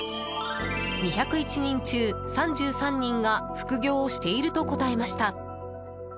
２０１人中３３人が副業をしていると答えました。